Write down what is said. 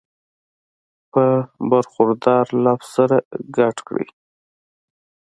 پۀ برخوردار لفظ سره کړی دی